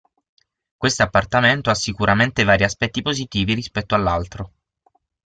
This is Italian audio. Quest'appartamento ha sicuramente vari aspetti positivi rispetto all'altro